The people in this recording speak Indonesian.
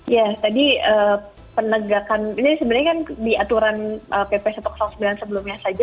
ya tadi penegakan ini sebenarnya kan di aturan pp satu ratus sembilan sebelumnya saja